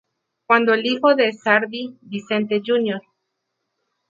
Cuando el hijo de Sardi, Vincent, Jr.